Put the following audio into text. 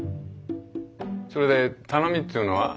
それで頼みっていうのは？